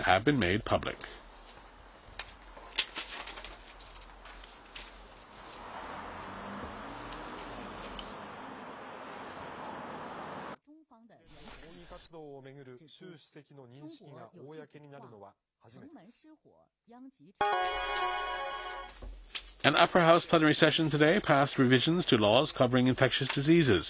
一連の抗議活動を巡る習主席の認識が公になるのは初めてです。